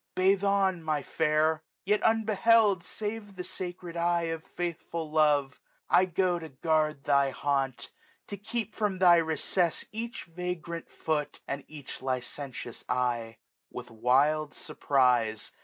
" Bathe on, my fair, " Yet unbeheld save by the sacred eye 1350 Of faithful love : I go to guard thy haunt ;To keep from thy recess each vagrant foot, *' And each licentious eye." With wild furprize.